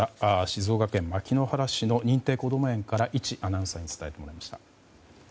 静岡県牧之原市の認定こども園から伊地アナウンサーに伝えてもらいました。